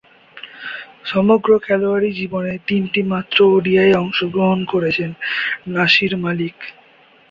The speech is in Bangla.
সমগ্র খেলোয়াড়ী জীবনে তিনটিমাত্র ওডিআইয়ে অংশগ্রহণ করেছেন নাসির মালিক।